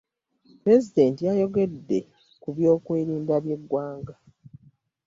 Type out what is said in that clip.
Pulezidenti yayogede ku byokwerinda by'eggwanga.